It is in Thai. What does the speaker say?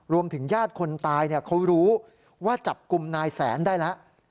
ญาติคนตายเขารู้ว่าจับกลุ่มนายแสนได้แล้ว